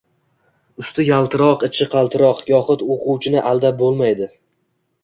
Usti yaltiroq ichi qaltiroq yohud o'quvchini aldab bo'lmaydi.